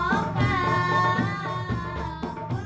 masyarakat sekitar maupun polisi polisi rekan kerjanya